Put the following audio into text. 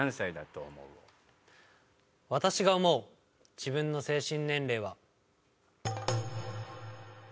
私が思う自分の精神年齢は。